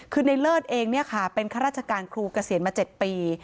คือในเลิศเองเป็นข้าราชการครูเกษียณมา๗ปี